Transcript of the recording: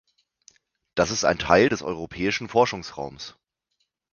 Das ist ein Teil des europäischen Forschungsraums.